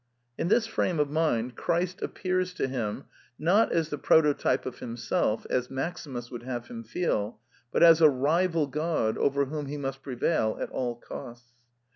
In this frame of mind Christ appears to him, not as the prototype of himself, as Maximus wpuld have him feel, but as a rival god over whom he must prevail at all costs.